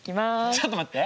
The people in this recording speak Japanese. ちょっと待って。